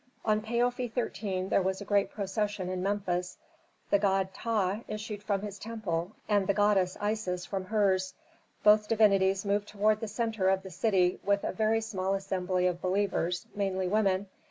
On Paofi 13 there was a great procession in Memphis: the god Ptah issued from his temple, and the goddess Isis from hers. Both divinities moved toward the centre of the city with a very small assembly of believers, mainly women.